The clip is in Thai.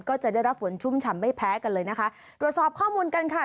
ก็จะได้รับฝนชุ่มฉ่ำไม่แพ้กันเลยนะคะตรวจสอบข้อมูลกันค่ะ